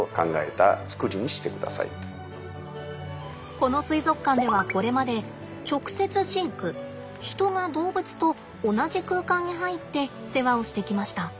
この水族館ではこれまで直接飼育人が動物と同じ空間に入って世話をしてきました。